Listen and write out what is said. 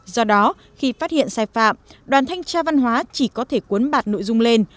do đó khi phát hiện sai phạm đoàn thanh tra văn hóa chỉ có thể cuốn bạt nội dung lên